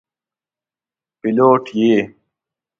پیلوټ یې.